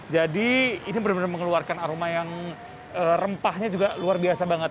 jadi ini benar benar mengeluarkan aroma yang rempahnya juga luar biasa banget